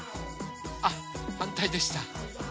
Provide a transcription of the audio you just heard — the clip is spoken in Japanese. あっはんたいでした。